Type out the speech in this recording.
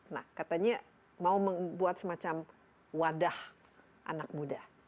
nah katanya mau membuat semacam wadah anak muda